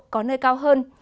có nơi cao hơn